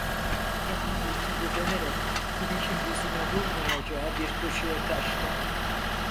Yatağın içinde dönerek güneşin yüzüme vurmayacağı bir köşeye kaçtım.